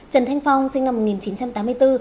trần thanh phong sinh năm một nghìn chín trăm tám mươi bốn